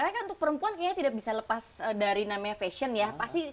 karena kan untuk perempuan kayaknya tidak bisa lepas dari namanya fashion ya